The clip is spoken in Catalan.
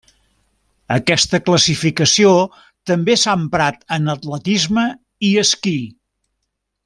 Aquesta classificació també s'ha emprat en atletisme, i esquí.